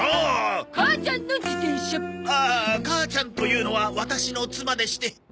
ああ母ちゃんというのはワタシの妻でして。